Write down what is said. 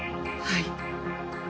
はい。